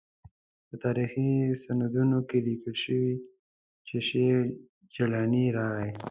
په تاریخي سندونو کې لیکل شوي چې شیخ جیلاني راغی.